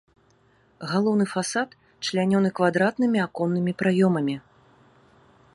Галоўны фасад члянёны квадратнымі аконнымі праёмамі.